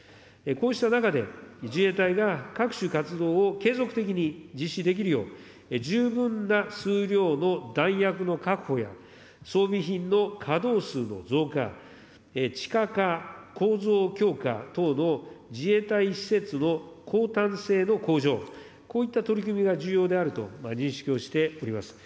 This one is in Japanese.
こうした中で、自衛隊が各種活動を継続的に実施できるよう、十分な数量の弾薬の確保や、装備品のかどう数の増加、地下化、構造強化等の自衛隊施設の抗たん性の向上、こういった取り組みが重要であると認識をしております。